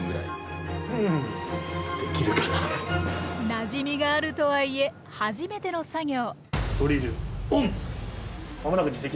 なじみがあるとはいえ初めての作業。